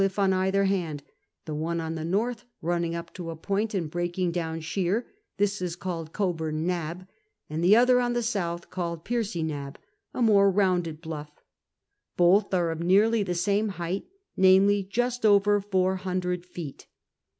'on either hand ; the one on the north running up to a point and breaking down sheer — this is called Coburn Nab, — and the other on the south, called Piercey Nab, a more rounded bluff; both are of nearly the same height, namely, just over four hundred feet.